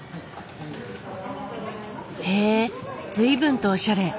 へえ随分とおしゃれ。